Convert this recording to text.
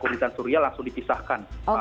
manfaat konditas suria serangkan